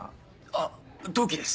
あっ同期です。